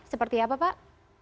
seperti apa pak